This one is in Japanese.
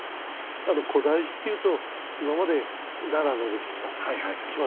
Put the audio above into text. あと古代史っていうと今まで奈良の歴史だとか京都の歴史